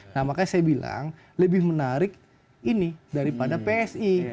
nah makanya saya bilang lebih menarik ini daripada psi